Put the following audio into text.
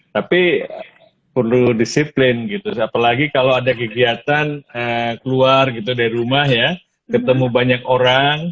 tapi perlu disiplin gitu apalagi kalau ada kegiatan keluar gitu dari rumah ya ketemu banyak orang